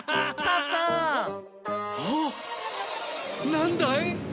なんだい？